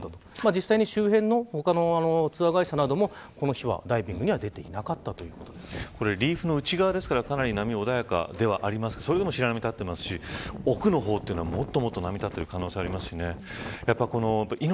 実際に周辺の他のツアー会社などもこの日はダイビングにはリーフの内側ですからかなり波が穏やかではありますがそれでも白波が立っていますし奥の方はもっと波が立っている可能性もありますしね。